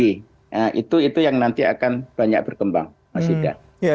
nah itu yang nanti akan banyak berkembang mas yuda